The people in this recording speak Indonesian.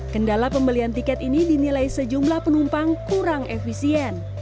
kendala pembelian tiket ini dinilai sejumlah penumpang kurang efisien